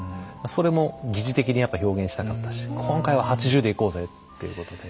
それも疑似的にやっぱ表現したかったし「今回は８０でいこうぜ」っていうことで。